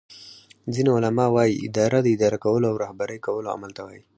ځینی علما وایې اداره داداره کولو او رهبری کولو عمل ته وایي